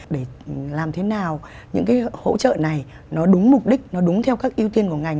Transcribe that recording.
để làm thế nào những cái hỗ trợ này nó đúng mục đích nó đúng theo các ưu tiên của ngành